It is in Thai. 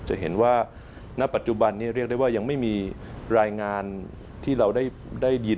จะเห็นว่าณปัจจุบันนี้เรียกได้ว่ายังไม่มีรายงานที่เราได้ยิน